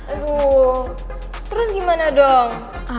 aduh terus gimana dong